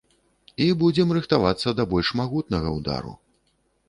І будзем рыхтавацца да больш магутнага ўдару.